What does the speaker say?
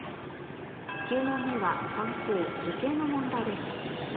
９問目は算数図形の問題です